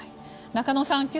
中野さん